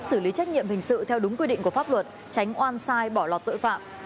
xử lý trách nhiệm hình sự theo đúng quy định của pháp luật tránh oan sai bỏ lọt tội phạm